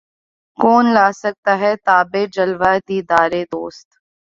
کون لا سکتا ہے تابِ جلوۂ دیدارِ دوست